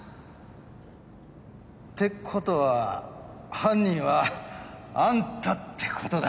って事は犯人はあんたって事だ。